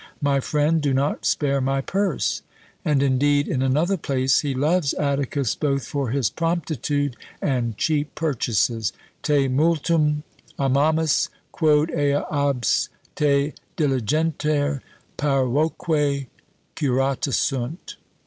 My friend, do not spare my purse." And, indeed, in another place he loves Atticus both for his promptitude and cheap purchases: Te multum amamus, quod ea abs te diligenter, parvoque curata sunt.